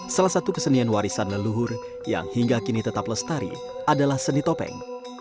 salah satu kesenian warisan leluhur yang hingga kini tetap lestari adalah seni topeng